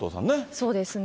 そうですね。